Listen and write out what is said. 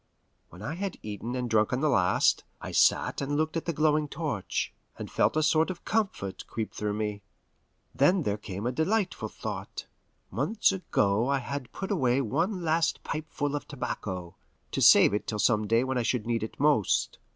When I had eaten and drunk the last, I sat and looked at the glowing torch, and felt a sort of comfort creep through me. Then there came a delightful thought. Months ago I had put away one last pipeful of tobacco, to save it till some day when I should need it most.